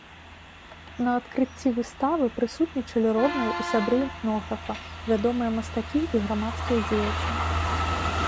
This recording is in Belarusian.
На адкрыцці выставы прысутнічалі родныя і сябры этнографа, вядомыя мастакі і грамадскія дзеячы.